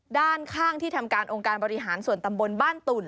ด้านข้างที่ทำการองค์การบริหารส่วนตำบลบ้านตุ่น